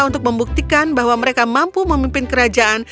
untuk membuktikan bahwa mereka mampu memimpin kerajaan